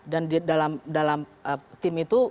dan di dalam tim itu